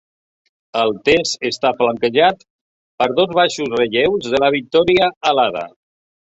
El text està flanquejat per dos baixos relleus de la Victòria alada.